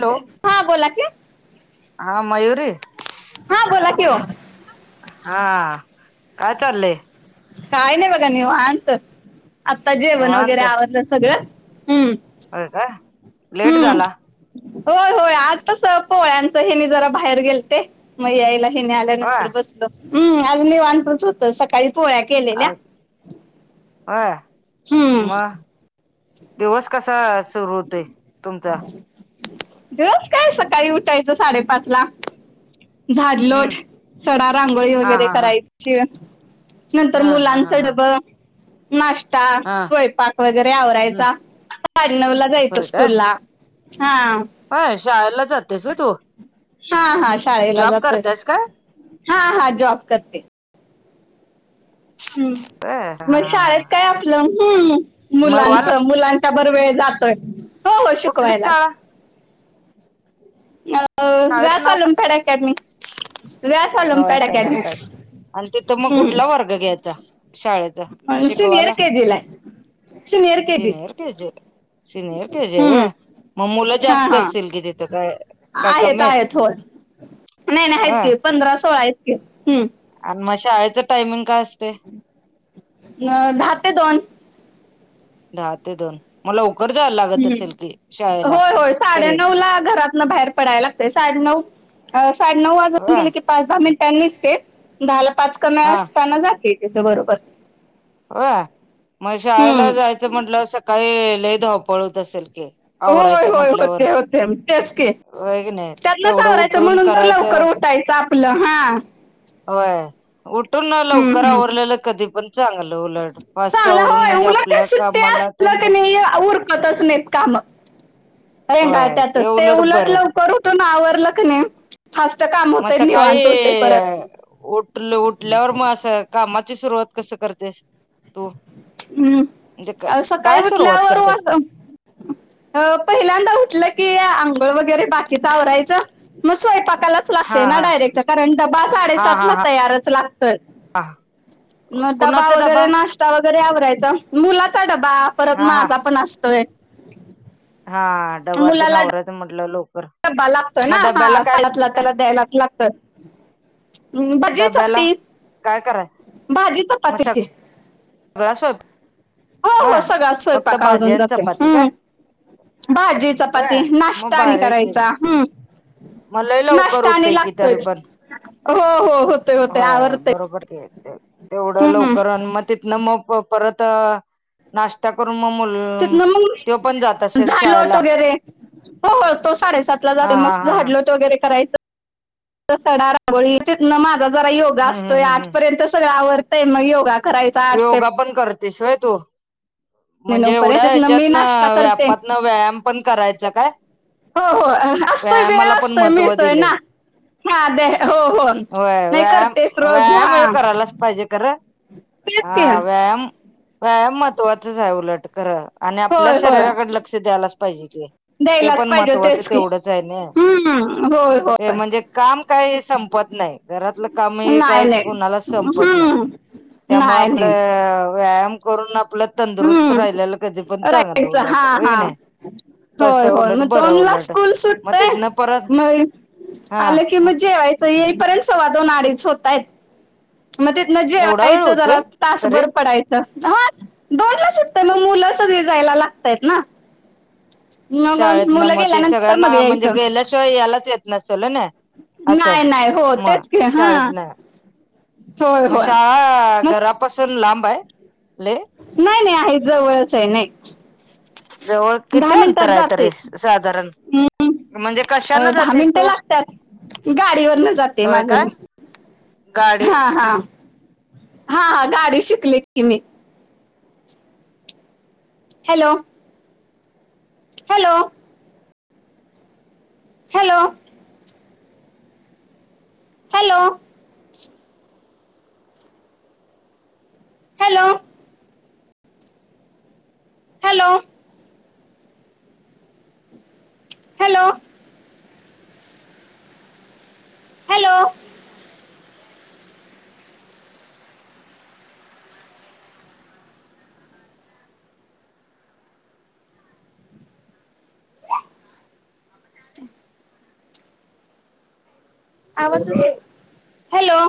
Hello हा बोला कि, हा मयुरी हा बोला कि ओ. हा, काय चाललंय? काय नाही बघा निवांत, आत्ता जेवण वगैरे निवांत आवरलं सगळं, हम्म. हो काय? लेट हम्म झाला. होय होय आज तस पोळ्यांचं हेनी जरा बाहेर गेल ते म याईला हेनी होय आल्यानंतर बसलो हम्म आज निवांतच होत सकाळी पोळ्या अ, केलेल्या होय, हम्म मग, दिवस क कसा सुरू होतय तुमच? दिवस काय सकाळी उठायचं साडेपाच ला. हम्म झाडलोट, सडा रांगोळी हा वगैरे हा हा करायची‌. नंतर हा हा हा मुलांचं हा डबं नाश्ता, हा स्वयंपाक वगैरे हम्म आवरायचा साडे नऊ ला जायच स्कूल ला. [unintelligible] हा. वय शाळेला जातेस वय तू. हा हा. शाळेला जॉब जातोय करतायस का? हा हा जॉब करते. हम्म, होय हा मग हा हा शाळेत काय आपलं हम्म मुलांच मग मुलां बर वेळ जातोय हो हो कुठली शिकवायलाच. शाळा अ शाळेच व्यास नाव ओलंपियाड अकॅडमी, व्यास काय होय ओलंपियाड सलाम अकॅडमी. आणि तिथं मग हम्म कुठला वर्ग घ्यायचा शाळेचा, शिकवायला. Senior K G. ते जे, सीनर के जी हम्म वय. मग मुलं हा जास्त हा असतील कि तिथं काय काय कमी आहेत. नाही नाही होय आहेतकी पंधरा सोळा आहेतकी हम्म. आणि मग शाळेचं टायमिंग काय असत. अ दहा ते दोन. दहा ते दोन. म लवकर जा लागत हम्म. असेल की. शाळेला होय होय तरी साडेनऊ ला घरातन बाहेर पडाय लागतय साडे नऊ साडे नऊ वाजून होय गेले की पाच दहा मिनिटांनी निघते, दहाला पाच कमी हा असताना जाते तिथं बरोबर. होय, म शाळेला हम्म जायचं म्हटलं, सकाळी लई धाव पळत असेल की. होय- आवरायचं होय, म्हटल्यावर होते- होते, तेच की. होय की नाही त्यातन तेवढं आवरायचं, उठून म्हणून तर लवकर करायचं उठायचं आपलं हा. होय, उठून ना हम्म लवकर आवरलेलं, कधी पण चांगलं. उलट फास्ट चांगला आवरून होय, म्हणजे उलट ते आपल्या सुट्टी कामाला असल तेन की नी उरक तच नाहीत काम, व्हय रेगाळत्यातच, ते उलट बरं उलटलं कर उठून आवरलं क नाही, फास्ट काम मग होतय, सकाळी निवांत होते परत. उठल उठल्यावर मग, असं कामाची सुरुवात कस करतेस. तू, हम्म. म्हणजे अ, सकाळी काय सुरुवात उठल्यावर करतेस. वा- अ पहिल्यांदा उठलं की, आंघोळ वगैरे बाकीच आवरायचं, मग स्वयंपाक. कालाच हा लागते ना हा डायरेक्ट, कारण डबा हा हा साडेसातला तयारच लागतं. हा. मग डबा वगैरे नाश्ता वगैरे आवरायचा, मुलाचा डबा, परत हा हा माझ पण असतोय. हा, डबा ते आवऱ्याच म्हटलं, लोक ब्बा लागतो ना, हा सातला त्याला द्यायलाच लागत. भाजी डब्याला चपाती, काय कराय भाजी चपाती. [unintelligible] सोत हो हो सगळाच स्वयंपाक भाजी आवरून आणि जातोय, चपाती काय हम्म. भाजी चपाती, होय मग नाश्ता आणि भारी आहे की करायचा, हम्म. मग लय लवकर नष्टा आणि होतय की तरी लागतच, पण हो हो होतेय, होतेय, होय आवरतय. तेवढं लवकर अन म तिथन म परत नाश्ता करून म मुल, तिथनं तो पण जात मग असेल झाडलोट शाळेला. वगैरे हो हो, तो साडेसात ला जातो, हा मग हा हा हा झाडलोट वगैरे करायच. सडा रागोळी, तीथन माझा जरा योगा हम्म असतोय, हम्म हम्म हम्म आठपर्यंत, सगळं आवतंय मग योगा करायचा आठ ते योगा पण करतेसय व्हय तू. म्हणजे नऊ पर्यंत एवढ्या तिथनं मी ह्याच्यातन, नाश्ता करते व्यापातन व्यायाम पण करायचा काय? हो हो, असतोय, वेळ व्यायामाला पण असतोय, महत्त्व मिळतोय दिलंय ना. हा, दे, हो हो, होय नाही व्यायाम करतेस रोज, व्यायाम हे हा. करायलाच पाहिजे खरं तेच हा की व्यायाम, व्यायाम महत्त्वाचाच आहे, उलट खर. आणि आपल्या होय होय शरीराकड, लक्ष द्यायलाच पाहिजे कि. ते द्यायलाच पण पाहिजे महत्त्वाचं तेच की तेवढंच आहे नी, हम्म होय ते होय म्हणजे काम काय संपत नाही. घरातलं कामही काय, नाही नाही कोणाला संपत नाही. हम्म त्यामुळे नाही आपलं, नाही व्यायाम करून आपलं, तंदुरुस्त हम्म, राहिलेलं कधी पण चांगलं राहीच, हा उलट होय की हा. नाही होय तसं होय, उलट म बरं दोनला उलट स्कूल मग सुटते तिथनं परत म हा आले की, म जेवायच. येईपर्यंत सववा दोन, आडीच होतायेत. मग तिथनं एवढा वेळ जेवायचं, होतोय जरा तरी तासभर पडायचं. दोनला सुटतेय, मग मुलं सगळी जायला लागतयत ना. मग शाळेत ना, मुलं म ते गेल्यानंतर मग सगळ्यांना म्हणजे, यायचं गेल्याशिवाय, यालाच येत नसेल ना. असं, नाही नाही हो म, तेच की हा शाळेतन. होय म होय शाळा मग घरापासून लांबय लई. नाही नाही, आहे जवळचे, नाही. जवळ, दहा किती मिनिटात अंतर आहे जाते तरी, साधारण. हम्म, म्हणजे अं, कशाना दहा जातेस मिनिटं तू, लागतात गाडीवरनं जाते होय माझं काय? मी गाडी. हा हा हा हा, गाडी शिकली की मी. Hello. Hello. Hello. Hello hello hello. Hello hello [unintelligible] आवाजचं येत हॅलो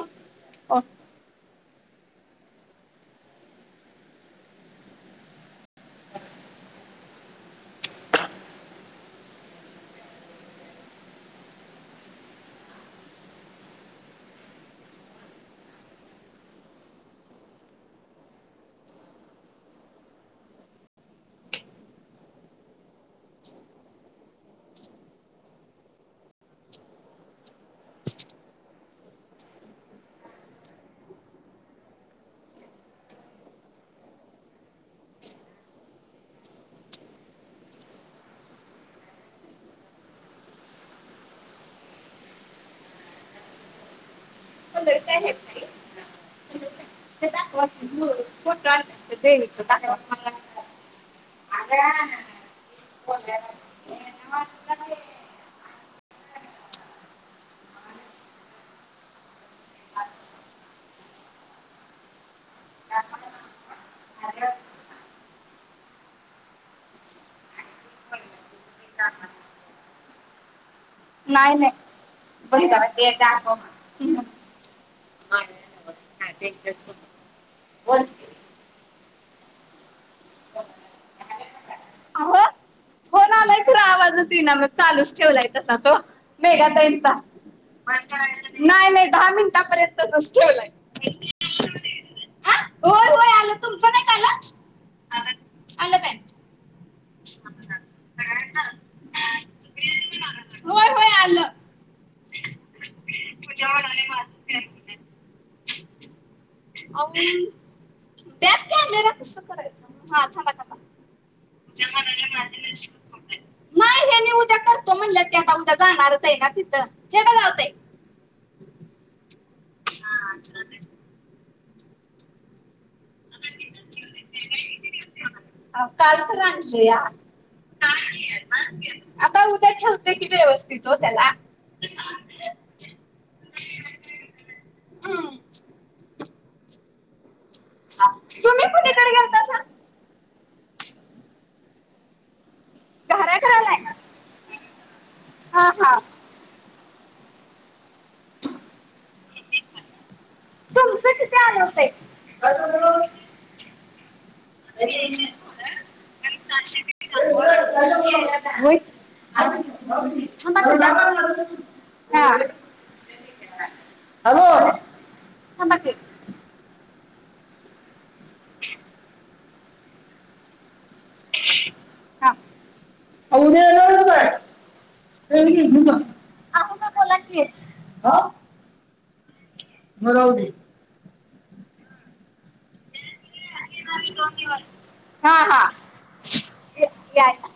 [unintelligible] का घेत नाही. ते दाखवा की ते देवीचं दाखवा [unintelligible] हॅलो नाय नाय बोल आवाजचं येईना म चालूच ठेवलाय तसाच ओ मेघा ताईंचा नाय नाय दहा मिनिटापर्यंतच तसच ठेवलाय. हा होय होय आलं तुमचं नाही का [unintelligible] आलं आलं काय [unintelligible] होय होय आलं आहो त्यात कॅमेरा कसं करायचं. हा थांबा थांबा [unintelligible] नाय ह्यांनी उद्या करतो म्हणल्या त्या आता उद्या जाणारच आहे ना तिथं हे बघा वताई [unintelligible] हा काल तर आणलया. आता उद्या ठेवते की व्यवस्थित ओ त्याला हम्म. तुम्ही कुणीकडे गेलता सांग घरा करायला आहे ना. हा हा तुमचं किती आलं होतंय होय. [unintelligible] हा. हॅलो थांबा की हा उद्या येणारच काय [unintelligible] आपण का बोला की म राहू दे नाही दोन दिवस हा हा. यायला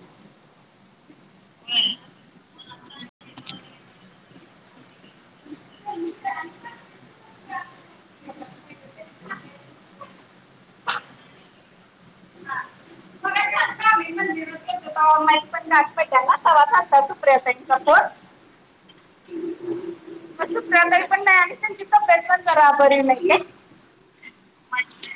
आता सुप्रियाताईंचा फोन म सुप्रिया ताई पण नाय आली त्यांची तब्येत पण जरा बरी नाहीये.